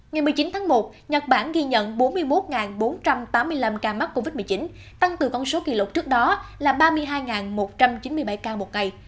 ngày một mươi chín tháng một nhật bản ghi nhận bốn mươi một bốn trăm tám mươi năm ca mắc covid một mươi chín tăng từ con số kỷ lục trước đó là ba mươi hai một trăm chín mươi bảy ca một ngày